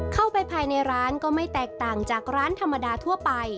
เข้าไปภายในร้านก็ไม่แตกต่างจากร้านธรรมดาทั่วไป